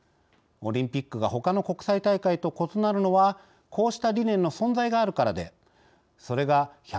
オリンピックがほかの国際大会と異なるのはこうした理念の存在があるからでそれが１２０